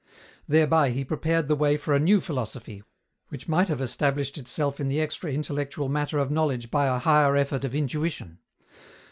Thereby he prepared the way for a new philosophy, which might have established itself in the extra intellectual matter of knowledge by a higher effort of intuition.